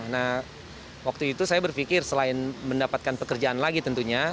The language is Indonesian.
nah waktu itu saya berpikir selain mendapatkan pekerjaan lagi tentunya